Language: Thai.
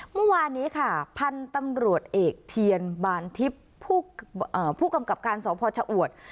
มาวานี้ค่ะพันตำรวจเอกเทียนบานทิศผู้เอ่อผู้กำกับการหอคะอวด